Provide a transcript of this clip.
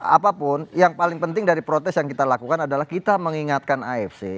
apapun yang paling penting dari protes yang kita lakukan adalah kita mengingatkan afc